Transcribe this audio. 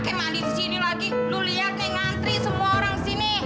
kayak mandi di sini lagi lu lihat kayak ngantri semua orang sini